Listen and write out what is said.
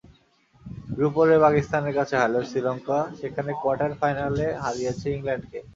Group পর্বে পাকিস্তানের কাছে হারলেও শ্রীলঙ্কা সেখানে কোয়ার্টার ফাইনালে হারিয়েছে ইংল্যান্ডকে।